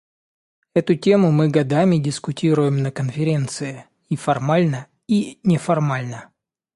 Эту тему мы годами дискутируем на Конференции − и формально, и неформально.